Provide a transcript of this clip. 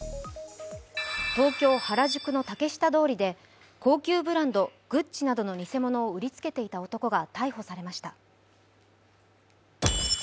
東京・原宿の竹下通りで高級ブランド、グッチなどの偽物を売りつけていた男が逮捕されました。